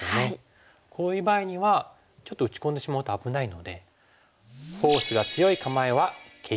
こういう場合にはちょっと打ち込んでしまうと危ないので。